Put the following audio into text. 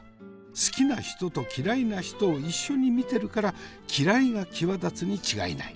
好きな人と嫌いな人を一緒に見てるから嫌いが際立つに違いない。